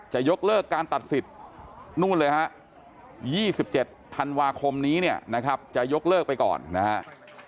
จะยกเลิกการตัดสิทธิ์นู่นเลยฮะ๒๗ธันวาคมนี้เนี่ยนะครับจะยกเลิกไปก่อนนะครับ